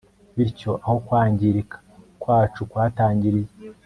Bityo aho kwangirika kwacu kwatangiriye